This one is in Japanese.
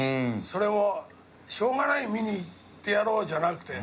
それもしょうがない見に行ってやろうじゃなくて。